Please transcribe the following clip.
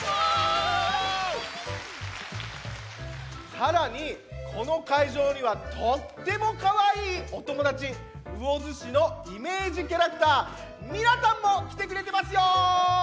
さらにこのかいじょうにはとってもかわいいおともだち魚津市のイメージキャラクター「ミラたん」もきてくれてますよ。